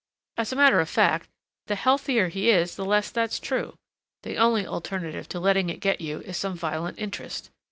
As a matter of fact, the healthier he is the less that's true. The only alternative to letting it get you is some violent interest.